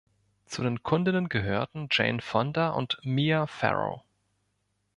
Zu den Kundinnen gehörten Jane Fonda und Mia Farrow.